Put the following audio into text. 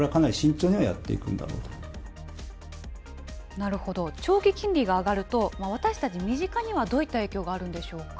なるほど、長期金利が上がると、私たち身近にはどういった影響があるんでし